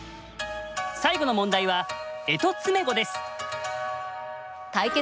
最後の問題は干支詰碁です。